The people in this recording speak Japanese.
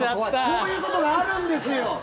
そういうことがあるんですよ。